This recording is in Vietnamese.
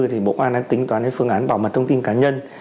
thì bộ công an đang tính toán phương án bảo mật thông tin cá nhân